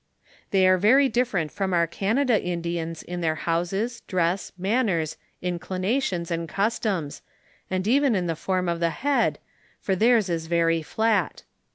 They are veiy different from our Canada Indians in their houses, dress, mannere, inclina tions, and customs, and even in the form of the head, for theirs is very flat.